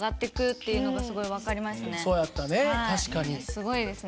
すごいですね。